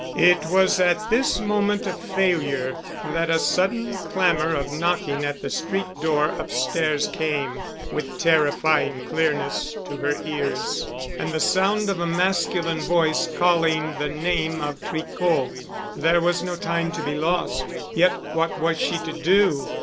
It was at this moment of failure, that a sudden clamor of knocking at the street door upstairs came, with terrifying clearness, to her ears. And the sound of a masculine voice calling the name of Tricot. There was no time to be lost, yet what was she to do?